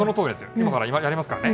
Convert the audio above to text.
今からやりますからね。